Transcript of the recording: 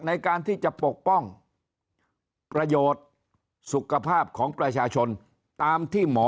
ในการที่จะปกป้องประโยชน์สุขภาพของประชาชนตามที่หมอ